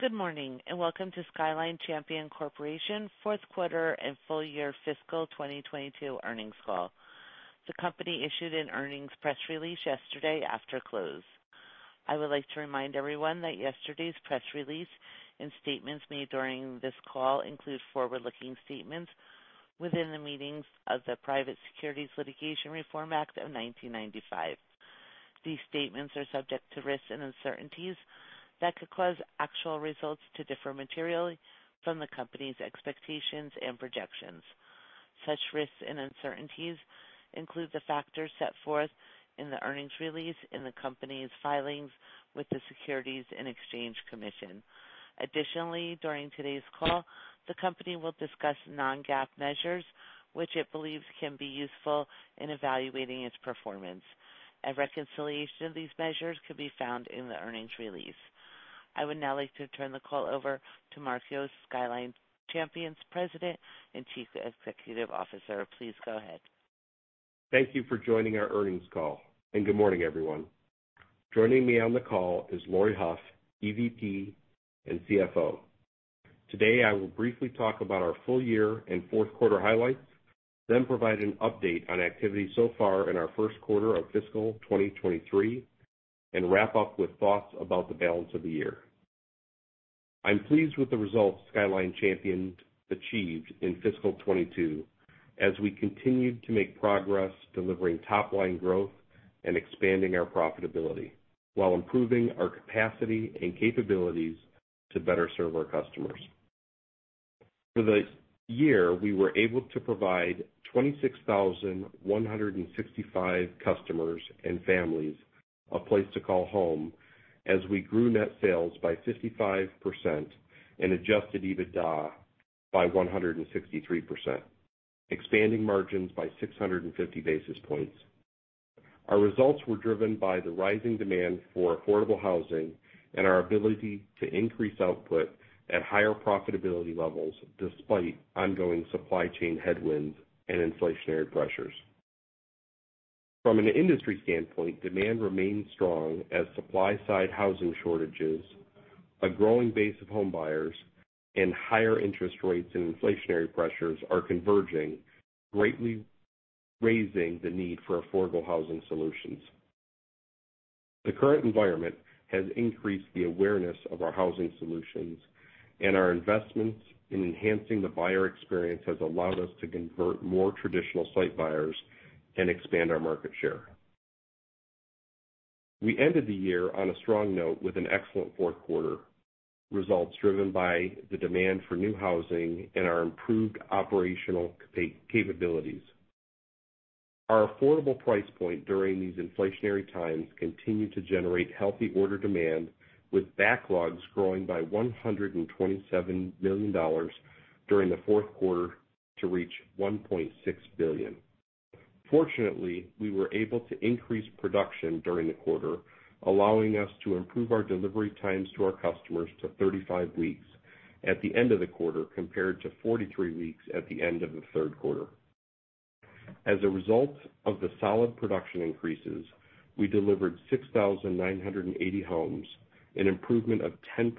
Good morning, and welcome to Skyline Champion Corporation fourth quarter and full year fiscal 2022 earnings call. The company issued an earnings press release yesterday after close. I would like to remind everyone that yesterday's press release and statements made during this call include forward-looking statements within the meaning of the Private Securities Litigation Reform Act of 1995. These statements are subject to risks and uncertainties that could cause actual results to differ materially from the company's expectations and projections. Such risks and uncertainties include the factors set forth in the earnings release in the company's filings with the Securities and Exchange Commission. Additionally, during today's call, the company will discuss non-GAAP measures, which it believes can be useful in evaluating its performance. A reconciliation of these measures can be found in the earnings release. I would now like to turn the call over to Mark Yost, Skyline Champion's President and Chief Executive Officer. Please go ahead. Thank you for joining our earnings call, and good morning, everyone. Joining me on the call is Laurie Hough, EVP and CFO. Today, I will briefly talk about our full year and fourth quarter highlights, then provide an update on activity so far in our first quarter of fiscal 2023, and wrap up with thoughts about the balance of the year. I'm pleased with the results Skyline Champion achieved in fiscal 2022 as we continued to make progress delivering top line growth and expanding our profitability while improving our capacity and capabilities to better serve our customers. For the year, we were able to provide 26,165 customers and families a place to call home as we grew net sales by 55% and adjusted EBITDA by 163%, expanding margins by 650 basis points. Our results were driven by the rising demand for affordable housing and our ability to increase output at higher profitability levels despite ongoing supply chain headwinds and inflationary pressures. From an industry standpoint, demand remains strong as supply-side housing shortages, a growing base of home buyers, and higher interest rates and inflationary pressures are converging, greatly raising the need for affordable housing solutions. The current environment has increased the awareness of our housing solutions, and our investments in enhancing the buyer experience has allowed us to convert more traditional site-built buyers and expand our market share. We ended the year on a strong note with an excellent fourth quarter results driven by the demand for new housing and our improved operational capabilities. Our affordable price point during these inflationary times continued to generate healthy order demand, with backlogs growing by $127 million during the fourth quarter to reach $1.6 billion. Fortunately, we were able to increase production during the quarter, allowing us to improve our delivery times to our customers to 35 weeks at the end of the quarter compared to 43 weeks at the end of the third quarter. As a result of the solid production increases, we delivered 6,980 homes, an improvement of 10%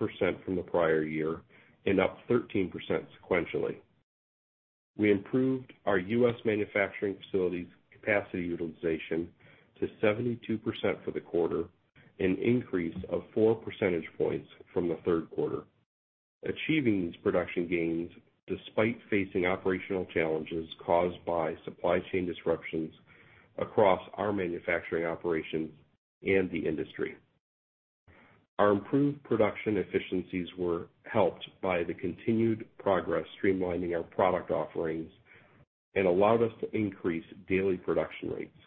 from the prior year and up 13% sequentially. We improved our U.S. manufacturing facilities capacity utilization to 72% for the quarter, an increase of 4 percentage points from the third quarter. Achieving these production gains despite facing operational challenges caused by supply chain disruptions across our manufacturing operations and the industry. Our improved production efficiencies were helped by the continued progress streamlining our product offerings and allowed us to increase daily production rates.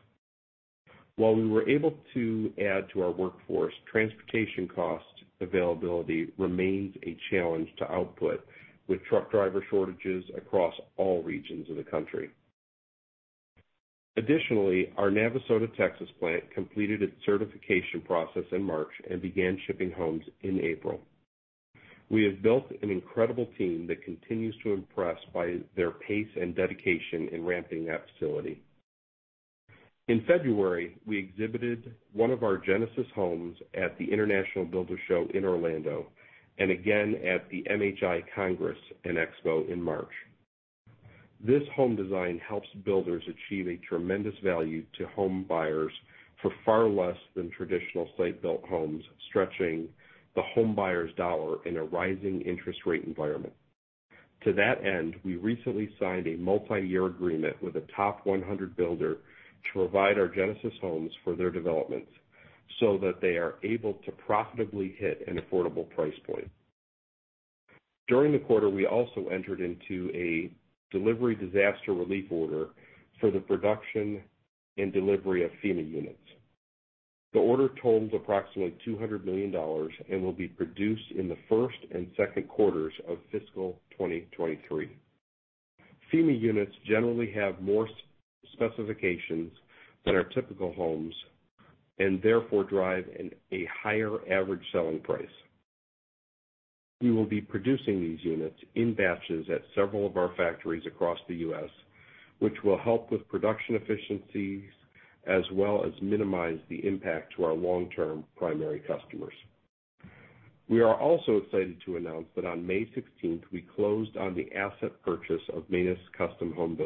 While we were able to add to our workforce, transportation cost availability remains a challenge to output, with truck driver shortages across all regions of the country. Additionally, our Navasota, Texas plant completed its certification process in March and began shipping homes in April. We have built an incredible team that continues to impress by their pace and dedication in ramping that facility. In February, we exhibited one of our Genesis Homes at the International Builders' Show in Orlando and again at the MHI Congress & Expo in March. This home design helps builders achieve a tremendous value to home buyers for far less than traditional site-built homes, stretching the home buyer's dollar in a rising interest rate environment. To that end, we recently signed a multi-year agreement with a top 100 builder to provide our Genesis Homes for their developments so that they are able to profitably hit an affordable price point. During the quarter, we also entered into a delivery disaster relief order for the production and delivery of FEMA units. The order totals approximately $200 million and will be produced in the first and second quarters of fiscal 2023. FEMA units generally have more specifications than our typical homes and therefore drive a higher average selling price. We will be producing these units in batches at several of our factories across the U.S., which will help with production efficiencies as well as minimize the impact to our long-term primary customers. We are also excited to announce that on May sixteenth, we closed on the asset purchase of Manis Homes.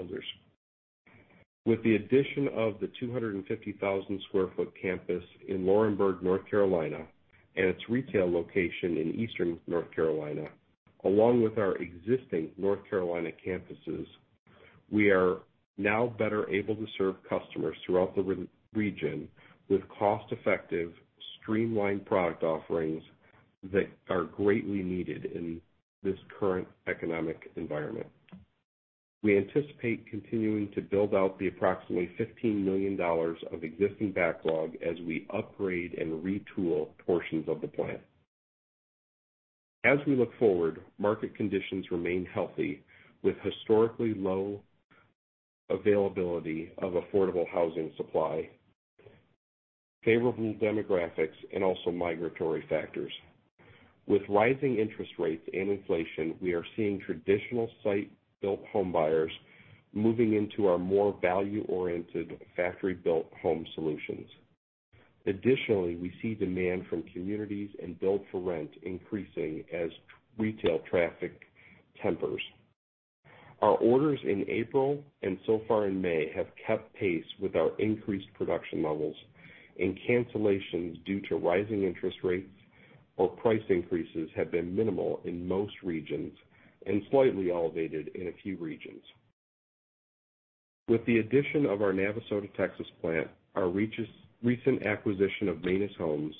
With the addition of the 250,000 sq ft campus in Laurinburg, North Carolina, and its retail location in Eastern North Carolina, along with our existing North Carolina campuses, we are now better able to serve customers throughout the region with cost-effective, streamlined product offerings that are greatly needed in this current economic environment. We anticipate continuing to build out the approximately $15 million of existing backlog as we upgrade and retool portions of the plant. As we look forward, market conditions remain healthy, with historically low availability of affordable housing supply, favorable demographics, and also migratory factors. With rising interest rates and inflation, we are seeing traditional site-built home buyers moving into our more value-oriented factory-built home solutions. Additionally, we see demand from communities and build for rent increasing as retail traffic tapers. Our orders in April and so far in May have kept pace with our increased production levels, and cancellations due to rising interest rates or price increases have been minimal in most regions and slightly elevated in a few regions. With the addition of our Navasota, Texas plant, our recent acquisition of Manis Homes,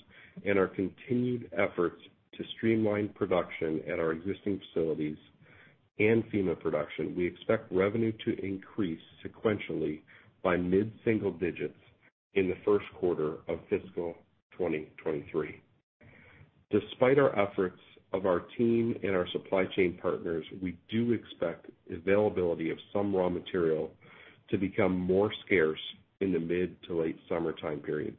and our continued efforts to streamline production at our existing facilities and FEMA production, we expect revenue to increase sequentially by mid-single digits in the first quarter of fiscal 2023. Despite our efforts of our team and our supply chain partners, we do expect availability of some raw material to become more scarce in the mid to late summertime period.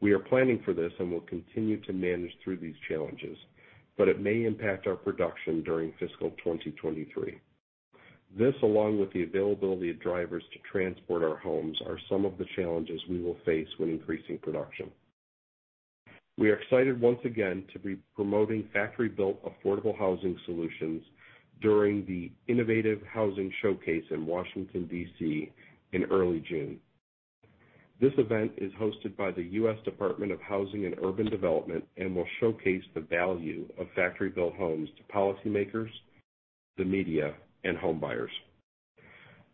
We are planning for this and will continue to manage through these challenges, but it may impact our production during fiscal 2023. This, along with the availability of drivers to transport our homes, are some of the challenges we will face when increasing production. We are excited once again to be promoting factory-built affordable housing solutions during the Innovative Housing Showcase in Washington, D.C., in early June. This event is hosted by the U.S. Department of Housing and Urban Development and will showcase the value of factory-built homes to policymakers, the media, and home buyers.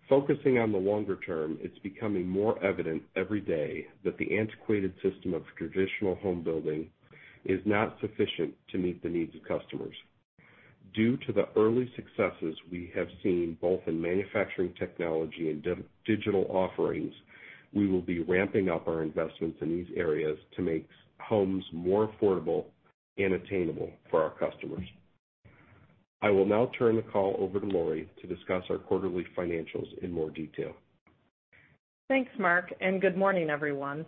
Focusing on the longer term, it's becoming more evident every day that the antiquated system of traditional home building is not sufficient to meet the needs of customers. Due to the early successes we have seen both in manufacturing technology and digital offerings, we will be ramping up our investments in these areas to make homes more affordable and attainable for our customers. I will now turn the call over to Laurie to discuss our quarterly financials in more detail. Thanks, Mark, and good morning, everyone.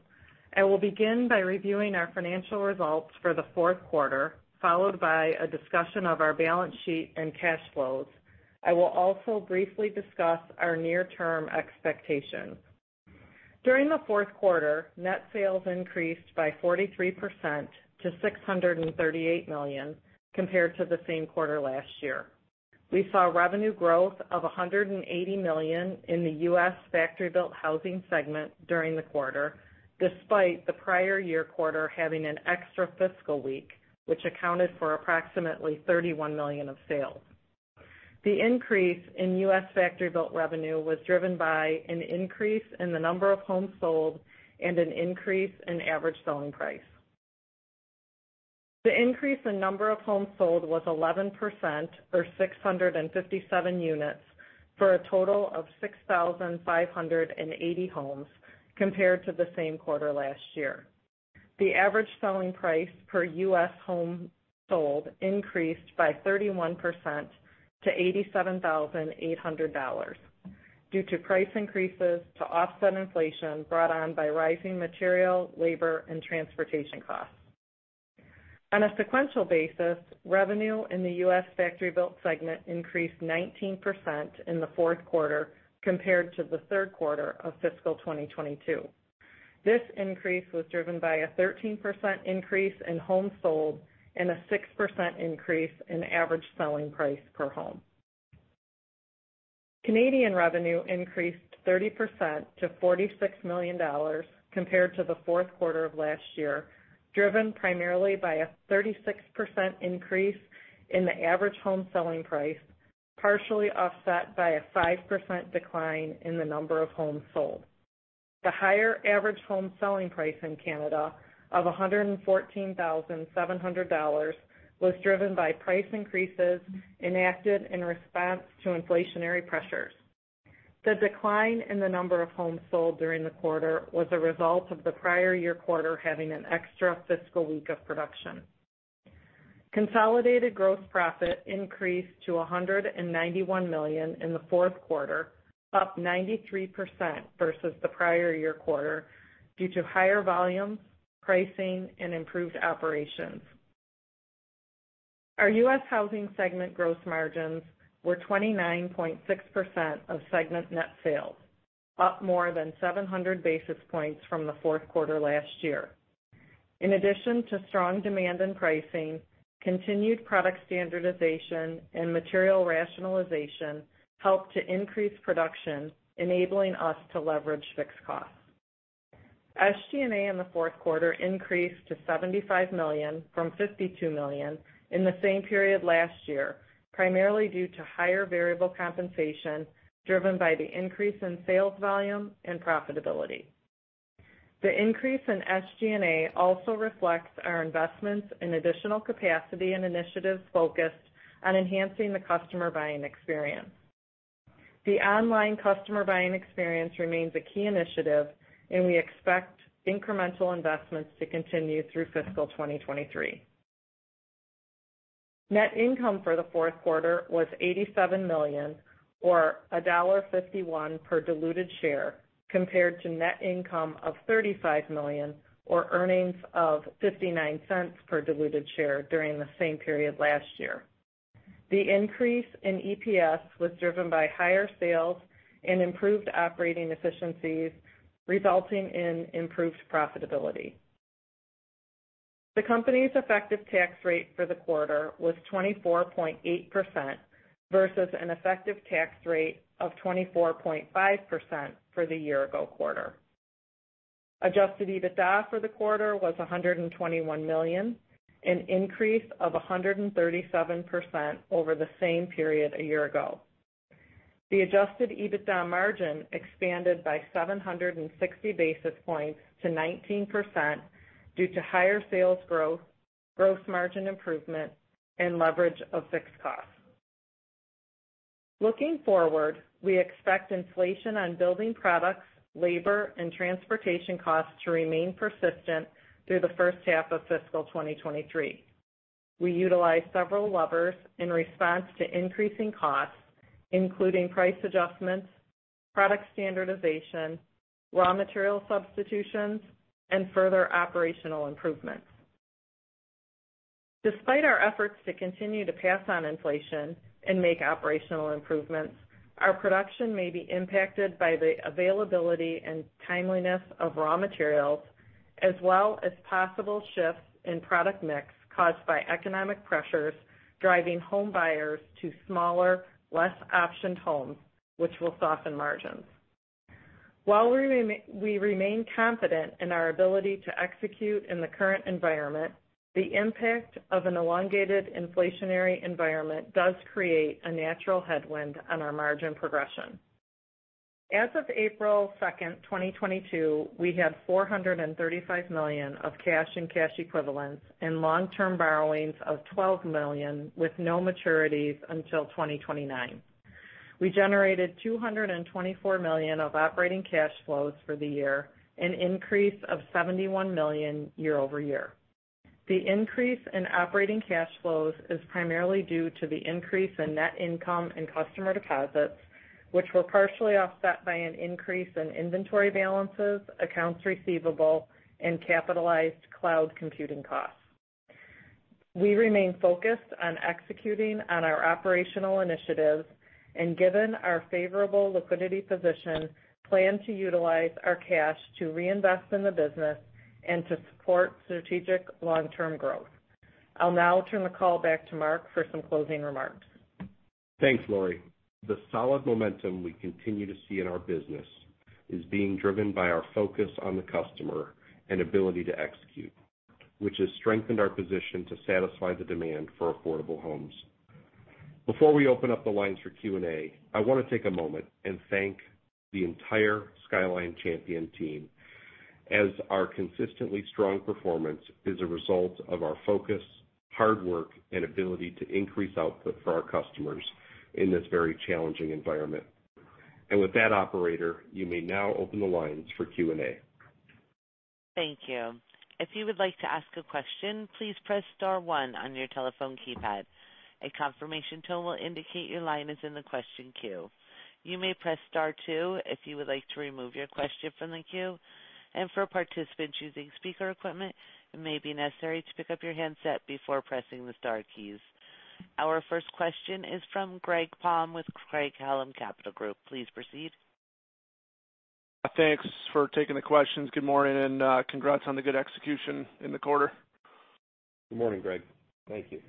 I will begin by reviewing our financial results for the fourth quarter, followed by a discussion of our balance sheet and cash flows. I will also briefly discuss our near-term expectations. During the fourth quarter, net sales increased by 43% to $638 million compared to the same quarter last year. We saw revenue growth of $180 million in the U.S. factory-built housing segment during the quarter, despite the prior year quarter having an extra fiscal week, which accounted for approximately $31 million of sales. The increase in U.S. factory-built revenue was driven by an increase in the number of homes sold and an increase in average selling price. The increase in number of homes sold was 11%, or 657 units for a total of 6,580 homes compared to the same quarter last year. The average selling price per U.S. home sold increased by 31% to $87,800 due to price increases to offset inflation brought on by rising material, labor, and transportation costs. On a sequential basis, revenue in the U.S. factory built segment increased 19% in the fourth quarter compared to the third quarter of fiscal 2022. This increase was driven by a 13% increase in homes sold and a 6% increase in average selling price per home. Canadian revenue increased 30% to 46 million dollars compared to the fourth quarter of last year, driven primarily by a 36% increase in the average home selling price, partially offset by a 5% decline in the number of homes sold. The higher average home selling price in Canada of 114,700 dollars was driven by price increases enacted in response to inflationary pressures. The decline in the number of homes sold during the quarter was a result of the prior year quarter having an extra fiscal week of production. Consolidated gross profit increased to $191 million in the fourth quarter, up 93% versus the prior year quarter due to higher volumes, pricing, and improved operations. Our U.S. housing segment gross margins were 29.6% of segment net sales, up more than 700 basis points from the fourth quarter last year. In addition to strong demand in pricing, continued product standardization and material rationalization helped to increase production, enabling us to leverage fixed costs. SG&A in the fourth quarter increased to $75 million from $52 million in the same period last year, primarily due to higher variable compensation driven by the increase in sales volume and profitability. The increase in SG&A also reflects our investments in additional capacity and initiatives focused on enhancing the customer buying experience. The online customer buying experience remains a key initiative, and we expect incremental investments to continue through fiscal 2023. Net income for the fourth quarter was $87 million, or $1.51 per diluted share, compared to net income of $35 million, or earnings of $0.59 per diluted share during the same period last year. The increase in EPS was driven by higher sales and improved operating efficiencies, resulting in improved profitability. The company's effective tax rate for the quarter was 24.8% versus an effective tax rate of 24.5% for the year ago quarter. Adjusted EBITDA for the quarter was $121 million, an increase of 137% over the same period a year ago. The adjusted EBITDA margin expanded by 760 basis points to 19% due to higher sales growth, gross margin improvement, and leverage of fixed costs. Looking forward, we expect inflation on building products, labor, and transportation costs to remain persistent through the first half of fiscal 2023. We utilize several levers in response to increasing costs, including price adjustments, product standardization, raw material substitutions, and further operational improvements. Despite our efforts to continue to pass on inflation and make operational improvements, our production may be impacted by the availability and timeliness of raw materials, as well as possible shifts in product mix caused by economic pressures driving home buyers to smaller, less optioned homes, which will soften margins. While we remain confident in our ability to execute in the current environment, the impact of an elongated inflationary environment does create a natural headwind on our margin progression. As of April 2, 2022, we had $435 million of cash and cash equivalents and long-term borrowings of $12 million with no maturities until 2029. We generated $224 million of operating cash flows for the year, an increase of $71 million year-over year. The increase in operating cash flows is primarily due to the increase in net income and customer deposits, which were partially offset by an increase in inventory balances, accounts receivable, and capitalized cloud computing costs. We remain focused on executing on our operational initiatives, and given our favorable liquidity position, plan to utilize our cash to reinvest in the business and to support strategic long-term growth. I'll now turn the call back to Mark for some closing remarks. Thanks, Laurie. The solid momentum we continue to see in our business is being driven by our focus on the customer and ability to execute, which has strengthened our position to satisfy the demand for affordable homes. Before we open up the lines for Q&A, I wanna take a moment and thank the entire Skyline Champion team, as our consistently strong performance is a result of our focus, hard work, and ability to increase output for our customers in this very challenging environment. With that, operator, you may now open the lines for Q&A. Thank you. If you would like to ask a question, please press star one on your telephone keypad. A confirmation tone will indicate your line is in the question queue. You may press star two if you would like to remove your question from the queue. For participants using speaker equipment, it may be necessary to pick up your handset before pressing the star keys. Our first question is from Greg Palm with Craig-Hallum Capital Group. Please proceed. Thanks for taking the questions. Good morning, and, congrats on the good execution in the quarter. Good morning, Greg. Thank you.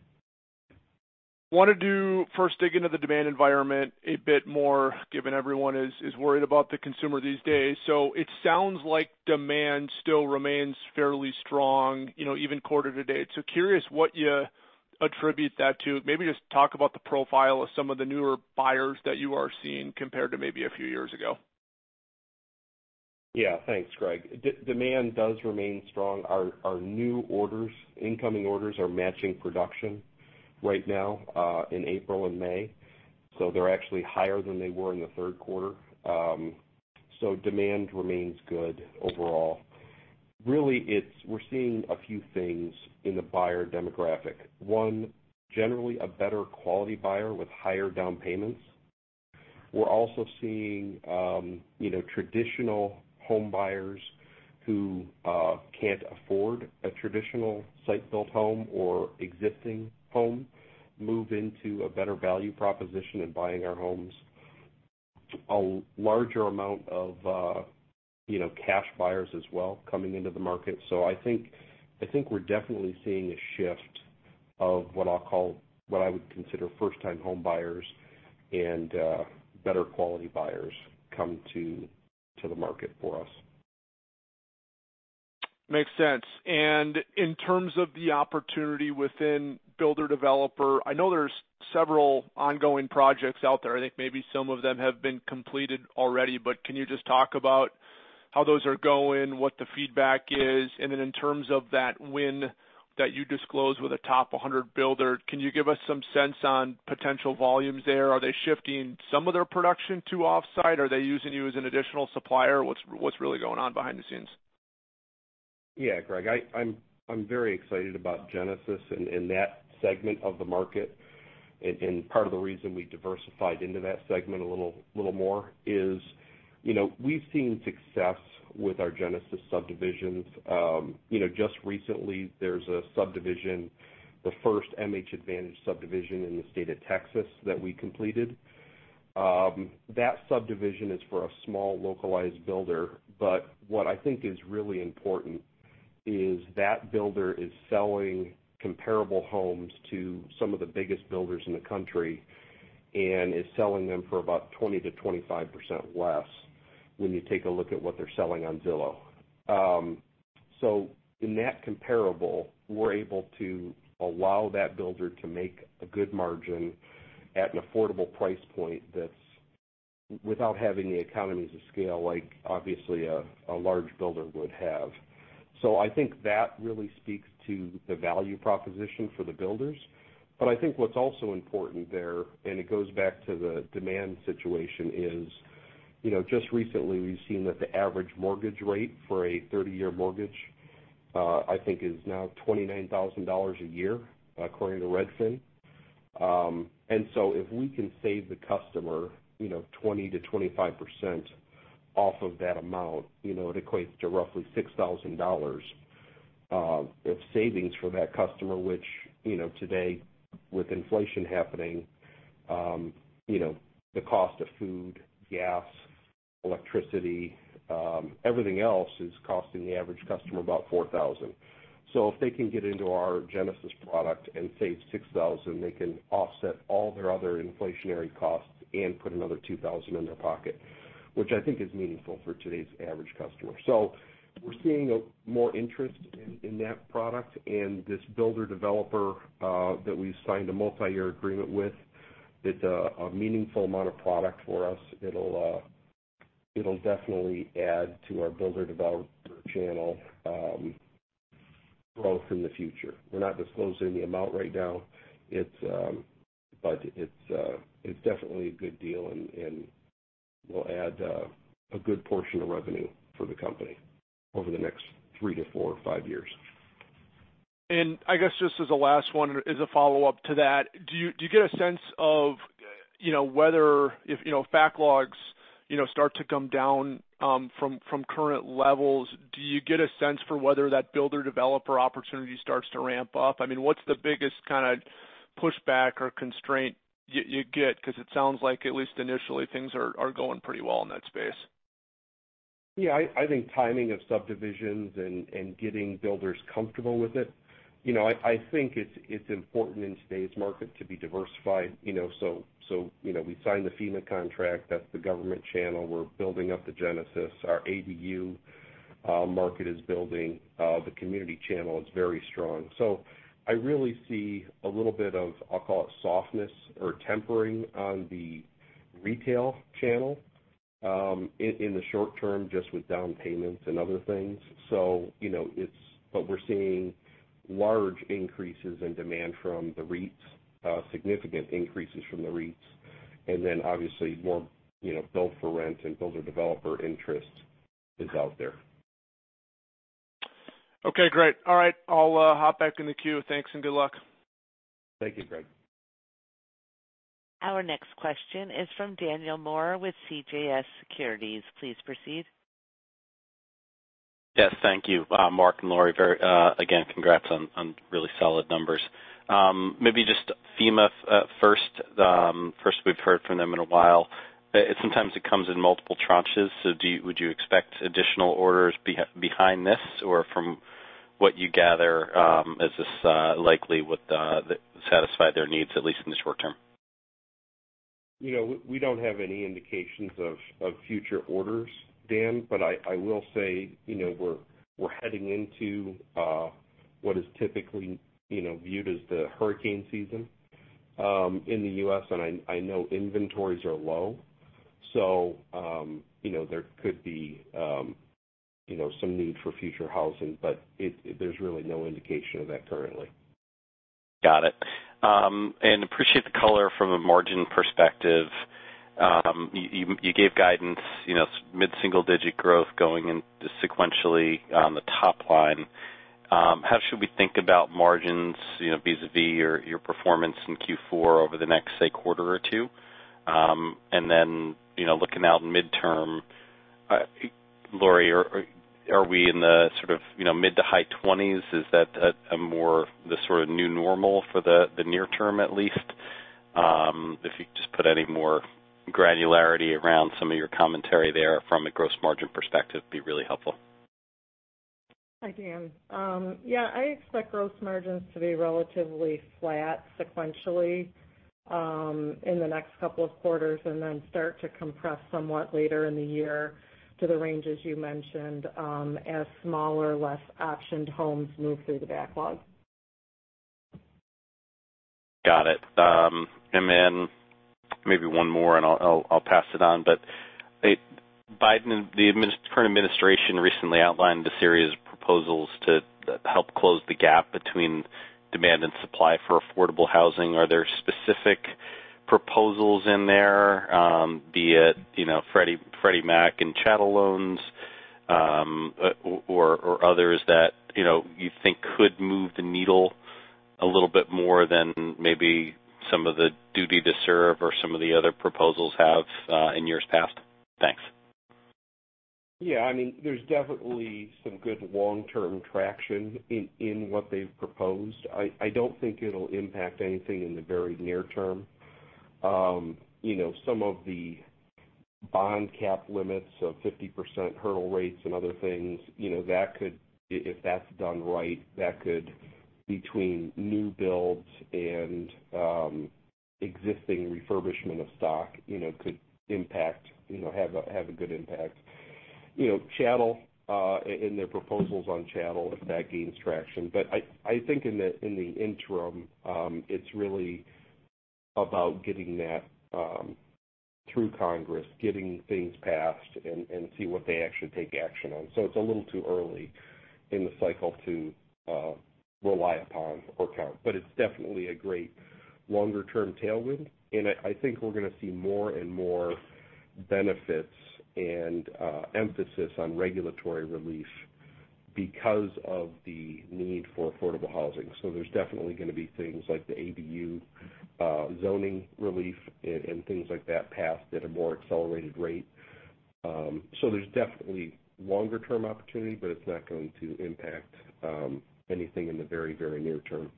Wanted to first dig into the demand environment a bit more, given everyone is worried about the consumer these days. It sounds like demand still remains fairly strong, you know, even quarter to date. Curious what you attribute that to. Maybe just talk about the profile of some of the newer buyers that you are seeing compared to maybe a few years ago. Yeah. Thanks, Greg. Demand does remain strong. Our new orders, incoming orders are matching production right now in April and May, so they're actually higher than they were in the third quarter. Demand remains good overall. Really, we're seeing a few things in the buyer demographic. One, generally a better quality buyer with higher down payments. We're also seeing, you know, traditional home buyers who can't afford a traditional site-built home or existing home move into a better value proposition in buying our homes. A larger amount of, you know, cash buyers as well coming into the market. I think we're definitely seeing a shift of what I'll call, what I would consider first-time home buyers and better quality buyers come to the market for us. Makes sense. In terms of the opportunity within builder-developer, I know there's several ongoing projects out there. I think maybe some of them have been completed already, but can you just talk about how those are going, what the feedback is? Then in terms of that win that you disclosed with a top 100 builder, can you give us some sense on potential volumes there? Are they shifting some of their production to off-site? Are they using you as an additional supplier? What's really going on behind the scenes? Yeah, Greg, I'm very excited about Genesis and that segment of the market. Part of the reason we diversified into that segment a little more is, you know, we've seen success with our Genesis subdivisions. You know, just recently, there's a subdivision, the first MH Advantage subdivision in the state of Texas that we completed. That subdivision is for a small localized builder, but what I think is really important is that builder is selling comparable homes to some of the biggest builders in the country and is selling them for about 20%-25% less when you take a look at what they're selling on Zillow. In that comparable, we're able to allow that builder to make a good margin at an affordable price point that's without having the economies of scale, like obviously a large builder would have. I think that really speaks to the value proposition for the builders. I think what's also important there, and it goes back to the demand situation, is, you know, just recently, we've seen that the average mortgage rate for a thirty-year mortgage, I think is now $29,000 a year, according to Redfin. If we can save the customer, you know, 20%-25% off of that amount, you know, it equates to roughly $6,000 of savings for that customer, which, you know, today, with inflation happening, you know, the cost of food, gas, electricity, everything else is costing the average customer about $4,000. If they can get into our Genesis product and save $6,000, they can offset all their other inflationary costs and put another $2,000 in their pocket, which I think is meaningful for today's average customer. We're seeing more interest in that product and this builder-developer that we've signed a multi-year agreement with. It's a meaningful amount of product for us. It'll definitely add to our builder-developer channel growth in the future. We're not disclosing the amount right now. It's definitely a good deal and will add a good portion of revenue for the company over the next three to four or five years. I guess just as a last one, as a follow-up to that, do you get a sense of, you know, whether if, you know, if backlogs, you know, start to come down from current levels, do you get a sense for whether that builder-developer opportunity starts to ramp up? I mean, what's the biggest kinda pushback or constraint you get? 'Cause it sounds like at least initially, things are going pretty well in that space. Yeah, I think timing of subdivisions and getting builders comfortable with it. You know, I think it's important in today's market to be diversified, you know, so you know, we signed the FEMA contract, that's the government channel. We're building up the Genesis. Our ADU market is building. The community channel is very strong. I really see a little bit of, I'll call it softness or tempering on the retail channel in the short term, just with down payments and other things. You know, it's. We're seeing large increases in demand from the REITs, significant increases from the REITs, and then obviously more, you know, build for rent and builder-developer interest is out there. Okay, great. All right. I'll hop back in the queue. Thanks and good luck. Thank you, Greg. Our next question is from Daniel Moore with CJS Securities. Please proceed. Yes, thank you, Mark and Laurie. Very, again, congrats on really solid numbers. Maybe just FEMA first. First, we've heard from them in a while. Sometimes it comes in multiple tranches. Would you expect additional orders behind this? Or from what you gather, is this likely would satisfy their needs, at least in the short term? You know, we don't have any indications of future orders, Dan, but I will say, you know, we're heading into what is typically viewed as the hurricane season in the U.S., and I know inventories are low. You know, there could be some need for future housing, but there's really no indication of that currently. Got it. Appreciate the color from a margin perspective. You gave guidance, you know, mid-single-digit growth going into sequentially on the top line. How should we think about margins, you know, vis-a-vis your performance in Q4 over the next, say, quarter or two? You know, looking out midterm, Laurie, are we in the sort of, you know, mid to high twenties? Is that more the sort of new normal for the near term, at least? If you just put any more granularity around some of your commentary there from a gross margin perspective, be really helpful. Hi, Dan. Yeah, I expect gross margins to be relatively flat sequentially, in the next couple of quarters and then start to compress somewhat later in the year to the ranges you mentioned, as smaller, less optioned homes move through the backlog. Got it. Maybe one more, and I'll pass it on. Biden and the current administration recently outlined a series of proposals to help close the gap between demand and supply for affordable housing. Are there specific proposals in there, be it you know Freddie Mac and chattel loans or others that you know you think could move the needle a little bit more than maybe some of the duty to serve or some of the other proposals have in years past? Thanks. Yeah, I mean, there's definitely some good long-term traction in what they've proposed. I don't think it'll impact anything in the very near term. You know, some of the bond cap limits of 50% hurdle rates and other things, you know, that could, if that's done right, that could, between new builds and existing refurbishment of stock, you know, could impact, you know, have a good impact. You know, chattel and their proposals on chattel if that gains traction. But I think in the interim, it's really about getting that through Congress, getting things passed and see what they actually take action on. It's a little too early in the cycle to rely upon or count, but it's definitely a great longer-term tailwind. I think we're gonna see more and more benefits and emphasis on regulatory relief because of the need for affordable housing. There's definitely gonna be things like the ADU, zoning relief and things like that passed at a more accelerated rate. There's definitely longer-term opportunity, but it's not going to impact anything in the very near term.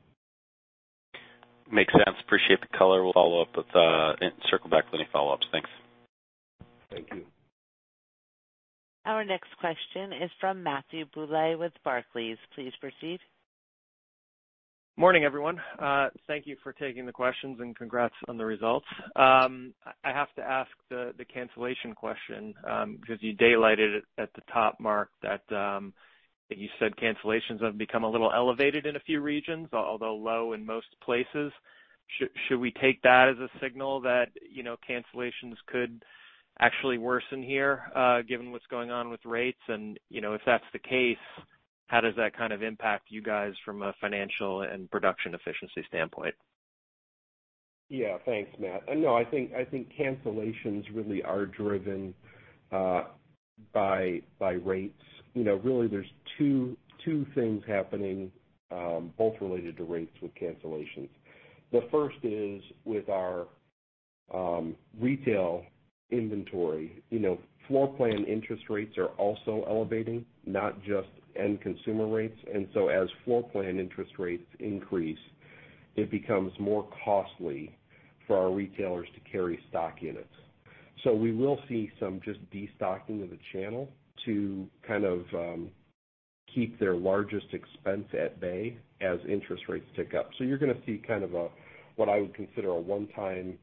Makes sense. Appreciate the color. We'll follow up with and circle back with any follow-ups. Thanks. Thank you. Our next question is from Matthew Bouley with Barclays. Please proceed. Morning, everyone. Thank you for taking the questions and congrats on the results. I have to ask the cancellation question, because you daylighted it at the top, Mark, that you said cancellations have become a little elevated in a few regions, although low in most places. Should we take that as a signal that, you know, cancellations could actually worsen here, given what's going on with rates? You know, if that's the case, how does that kind of impact you guys from a financial and production efficiency standpoint? Yeah. Thanks, Matthew. No, I think cancellations really are driven by rates. You know, really there's two things happening, both related to rates with cancellations. The first is with our retail inventory. You know, floor plan interest rates are also elevating, not just end consumer rates. As floor plan interest rates increase, it becomes more costly for our retailers to carry stock units. We will see some just destocking of the channel to kind of keep their largest expense at bay as interest rates tick up. You're gonna see kind of a what I would consider a one-time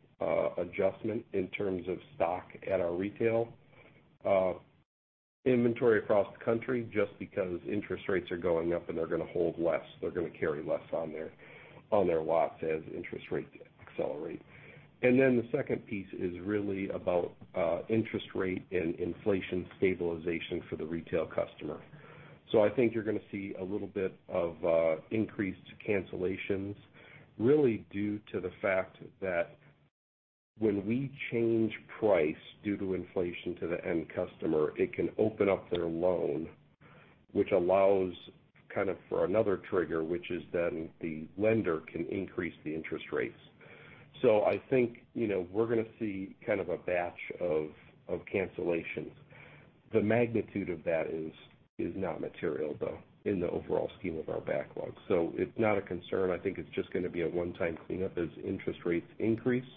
adjustment in terms of stock at our retail inventory across the country just because interest rates are going up and they're gonna hold less, they're gonna carry less on their lots as interest rates accelerate. The second piece is really about interest rate and inflation stabilization for the retail customer. I think you're gonna see a little bit of increased cancellations really due to the fact that when we change price due to inflation to the end customer, it can open up their loan, which allows kind of for another trigger, which is then the lender can increase the interest rates. I think, you know, we're gonna see kind of a batch of cancellations. The magnitude of that is not material though in the overall scheme of our backlog. It's not a concern. I think it's just gonna be a one-time cleanup as interest rates increase.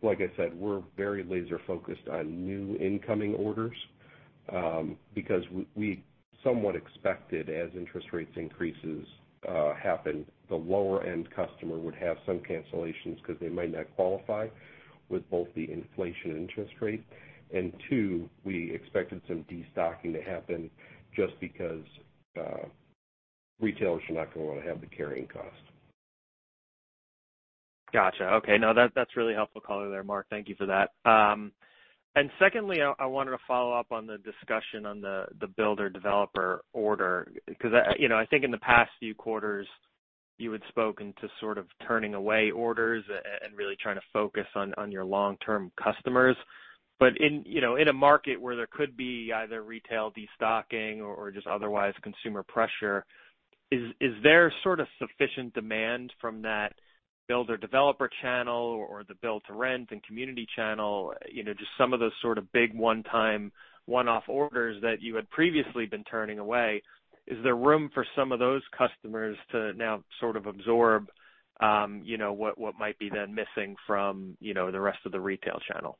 Like I said, we're very laser-focused on new incoming orders, because we somewhat expected as interest rates increase, the lower-end customer would have some cancellations because they might not qualify with both the inflation and interest rate. Two, we expected some destocking to happen just because retailers are not gonna wanna have the carrying cost. Gotcha. Okay. No, that's really helpful color there, Mark. Thank you for that. And secondly, I wanted to follow up on the discussion on the builder-developer order, because, you know, I think in the past few quarters. You had spoken to sort of turning away orders and really trying to focus on your long-term customers. In, you know, in a market where there could be either retail destocking or just otherwise consumer pressure, is there sort of sufficient demand from that builder developer channel or the build to rent and community channel, you know, just some of those sort of big one-time, one-off orders that you had previously been turning away? Is there room for some of those customers to now sort of absorb, you know, what might be then missing from, you know, the rest of the retail channel?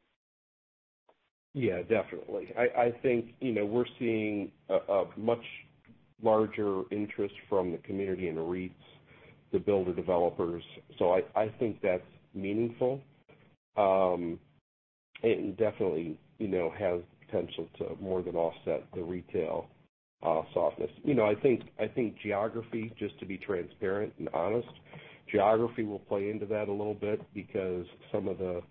Yeah, definitely. I think, you know, we're seeing a much larger interest from the community and the REITs, the builder developers. I think that's meaningful. It definitely, you know, has potential to more than offset the retail softness. You know, I think geography, just to be transparent and honest, geography will play into that a little bit because some of the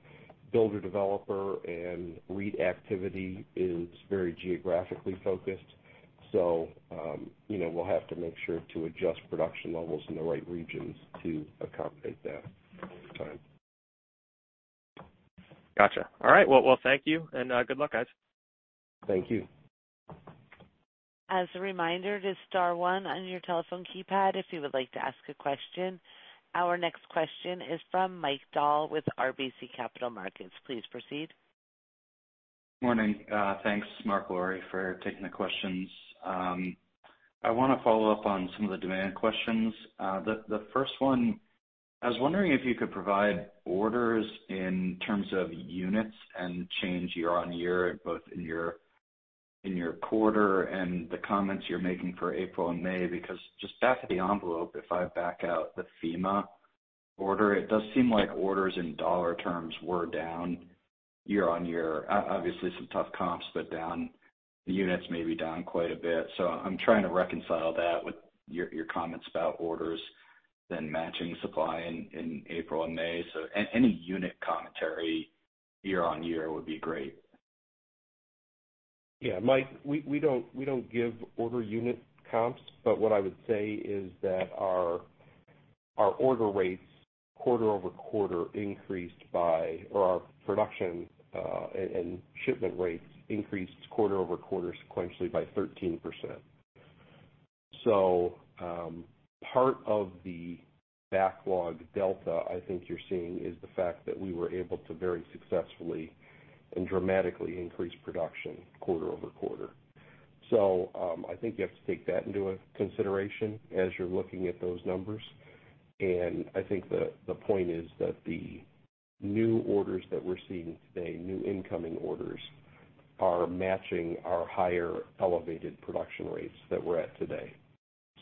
builder developer and REIT activity is very geographically focused. You know, we'll have to make sure to adjust production levels in the right regions to accommodate that over time. Gotcha. All right. Well, thank you, and good luck, guys. Thank you. As a reminder, it is star one on your telephone keypad if you would like to ask a question. Our next question is from Mike Dahl with RBC Capital Markets. Please proceed. Morning. Thanks, Mark, Laurie, for taking the questions. I wanna follow up on some of the demand questions. The first one, I was wondering if you could provide orders in terms of units and change year-over-year, both in your quarter and the comments you're making for April and May. Because just back of the envelope, if I back out the FEMA order, it does seem like orders in dollar terms were down year-over-year. Obviously some tough comps, but down, the units may be down quite a bit. I'm trying to reconcile that with your comments about orders then matching supply in April and May. Any unit commentary year-over-year would be great. Yeah, Mike, we don't give order unit comps, but what I would say is that our production and shipment rates increased quarter-over-quarter sequentially by 13%. Part of the backlog delta I think you're seeing is the fact that we were able to very successfully and dramatically increase production quarter-over-quarter. I think you have to take that into consideration as you're looking at those numbers. I think the point is that the new orders that we're seeing today, new incoming orders, are matching our higher elevated production rates that we're at today.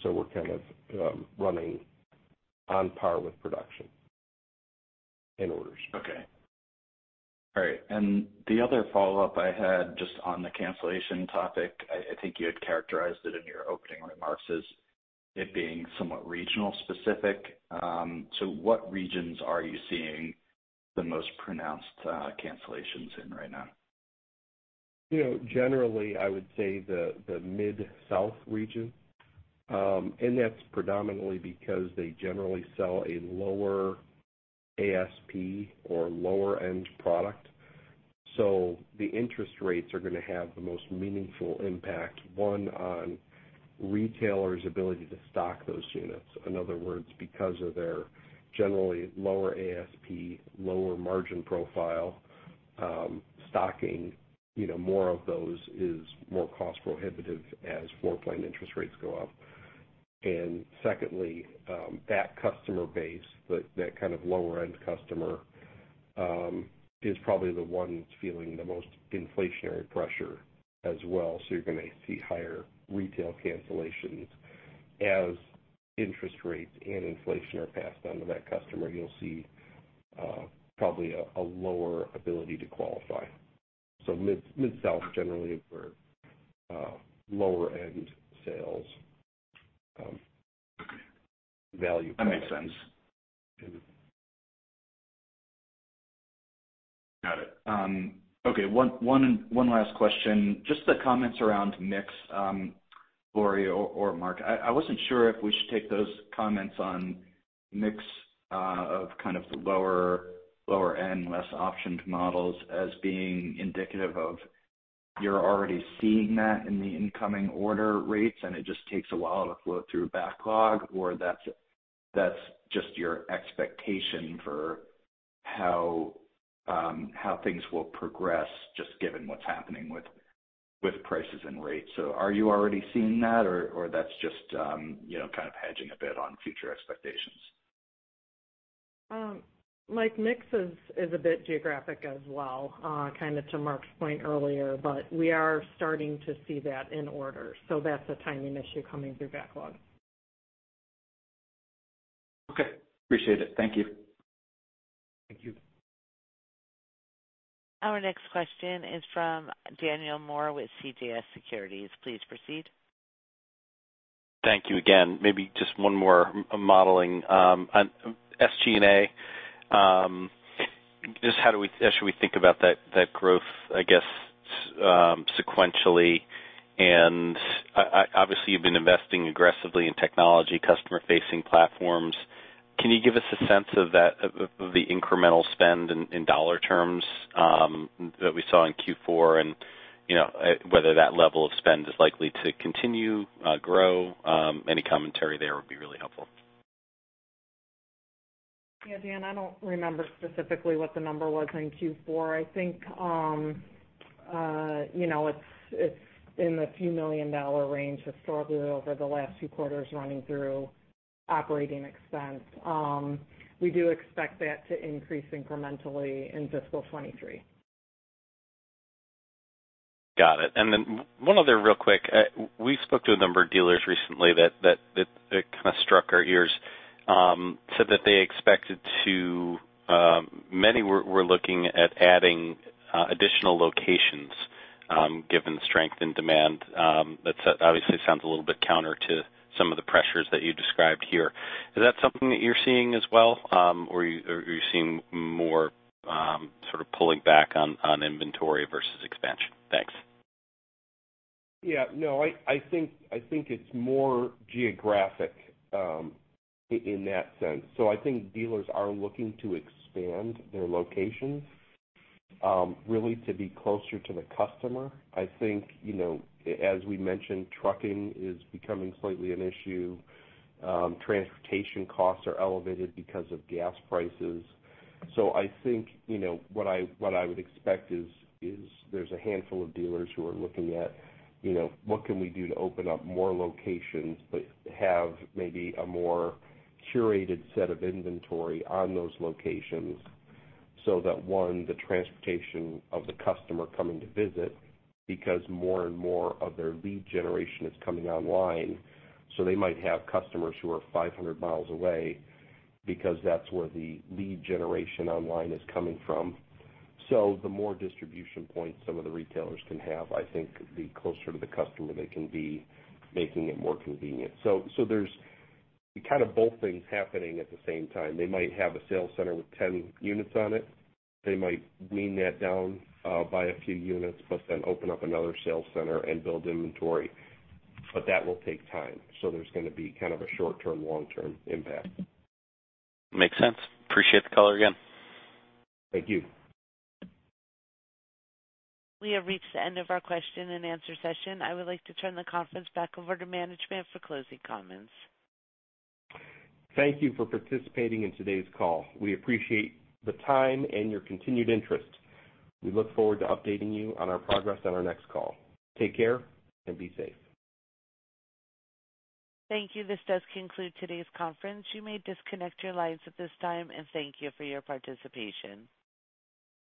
We're kind of running on par with production in orders. Okay. All right. The other follow-up I had just on the cancellation topic, I think you had characterized it in your opening remarks as it being somewhat regional specific. What regions are you seeing the most pronounced cancellations in right now? You know, generally, I would say the Mid-South region, and that's predominantly because they generally sell a lower ASP or lower end product. The interest rates are gonna have the most meaningful impact, one, on retailers' ability to stock those units. In other words, because of their generally lower ASP, lower margin profile, stocking, you know, more of those is more cost prohibitive as floor plan interest rates go up. Secondly, that customer base, that kind of lower end customer, is probably the one that's feeling the most inflationary pressure as well. You're gonna see higher retail cancellations. As interest rates and inflation are passed on to that customer, you'll see probably a lower ability to qualify. Mid-South generally for lower end sales, value. That makes sense. Got it. One last question. Just the comments around mix, Laurie or Mark, I wasn't sure if we should take those comments on mix of kind of the lower end, less optioned models as being indicative of you're already seeing that in the incoming order rates, and it just takes a while to flow through backlog, or that's just your expectation for how how things will progress just given what's happening with prices and rates. Are you already seeing that or that's just you know kind of hedging a bit on future expectations? Mike, mix is a bit geographic as well, kind of to Mark's point earlier, but we are starting to see that in orders, so that's a timing issue coming through backlog. Okay. Appreciate it. Thank you. Thank you. Our next question is from Daniel Moore with CJS Securities. Please proceed. Thank you again. Maybe just one more modeling on SG&A. Just how should we think about that growth, I guess, sequentially? Obviously, you've been investing aggressively in technology, customer-facing platforms. Can you give us a sense of that of the incremental spend in dollar terms that we saw in Q4? You know, whether that level of spend is likely to continue to grow? Any commentary there would be really helpful. Yeah, Dan, I don't remember specifically what the number was in Q4. I think, you know, it's in the few million-dollar range historically over the last few quarters running through operating expense. We do expect that to increase incrementally in fiscal 2023. Got it. One other real quick. We spoke to a number of dealers recently that it kind of struck our ears, said that they expected to. Many were looking at adding additional locations, given strength in demand. That's obviously sounds a little bit counter to some of the pressures that you described here. Is that something that you're seeing as well, or you're seeing more sort of pulling back on inventory versus expansion? Thanks. Yeah, no, I think it's more geographic, in that sense. I think dealers are looking to expand their locations, really to be closer to the customer. I think, you know, as we mentioned, trucking is becoming slightly an issue. Transportation costs are elevated because of gas prices. I think, you know, what I would expect is there's a handful of dealers who are looking at, you know, what can we do to open up more locations but have maybe a more curated set of inventory on those locations so that, one, the transportation of the customer coming to visit because more and more of their lead generation is coming online. They might have customers who are 500 miles away because that's where the lead generation online is coming from. The more distribution points some of the retailers can have, I think the closer to the customer they can be making it more convenient. There's kind of both things happening at the same time. They might have a sales center with 10 units on it. They might wean that down by a few units, but then open up another sales center and build inventory. That will take time, so there's gonna be kind of a short-term, long-term impact. Makes sense. Appreciate the color again. Thank you. We have reached the end of our Q&A session. I would like to turn the conference back over to management for closing comments. Thank you for participating in today's call. We appreciate the time and your continued interest. We look forward to updating you on our progress on our next call. Take care and be safe. Thank you. This does conclude today's conference. You may disconnect your lines at this time, and thank you for your participation.